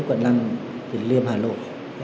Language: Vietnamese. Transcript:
quận năm tỉnh liêm hà nội